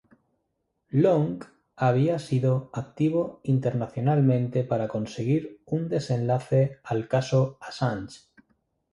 Long había sido activo internacionalmente para conseguir un desenlace al caso Assange.